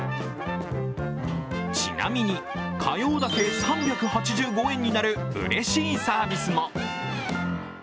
ちなみに、火曜だけ３８５円になるうれしいサービスも。